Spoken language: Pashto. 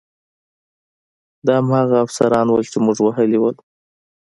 دا هماغه افسران وو چې موږ وهلي وو